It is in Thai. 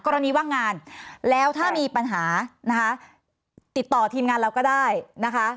ว่างงานแล้วถ้ามีปัญหานะคะติดต่อทีมงานเราก็ได้นะคะ